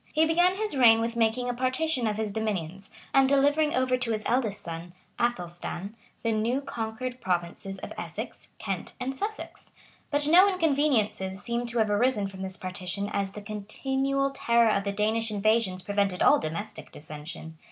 [*] He began his reign with making a partition of his dominions, and delivering over to his eldest son, Athelstan, the new conquered provinces of Essex, Kent, and Sussex. But no inconveniences seem to have arisen from this partition as the continual terror of the Danish invasions prevented all domestic dissension.